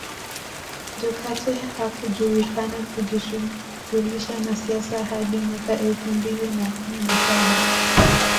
Jokate hakujulikana kujishughulisha na siasa hadi mwaka elfu mbili na kumi na saba